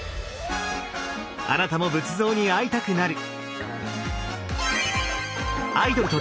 あなたも仏像に会いたくなる！